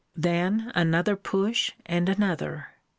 Then another push, and another.